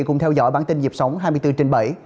cùng theo dõi bản tin dịp sống hai mươi bốn trên bảy